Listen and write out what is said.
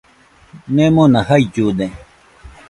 Nemona jaillude.